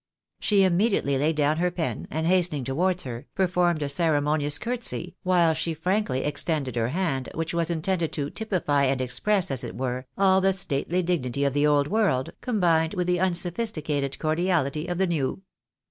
She immediately 76 THE BAETSTABYS IN AMERICA. laid, down her pen, and hastening towards her, performed a cere monious courtesy, while she frankly extended her hand, which was intended to typify and express, as it were, all the stately dignity of the old world, combined with the unsophisticated cordiality of the new.